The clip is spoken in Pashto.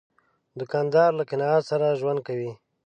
دوکاندار له قناعت سره ژوند کوي.